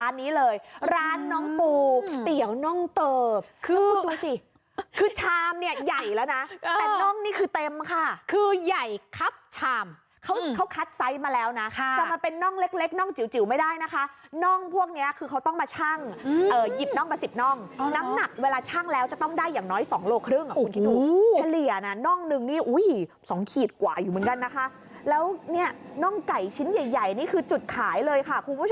ร้านนี้เลยร้านน้องปูเตี๋ยวน้องเติบคือดูสิคือชามเนี่ยใหญ่แล้วนะแต่น้องนี้คือเต็มค่ะคือใหญ่ครับชามเขาเขาคัดไซส์มาแล้วนะค่ะจะมาเป็นน้องเล็กเล็กน้องจิ๋วจิ๋วไม่ได้นะคะน้องพวกเนี้ยคือเขาต้องมาชั่งเอ่อหยิบน้องประสิทธิ์น้องอ๋อน้ำหนักเวลาชั่งแล้วจะต้องได้อย่างน้อยสองโลครึ่งอ่ะคุณทิ้งดู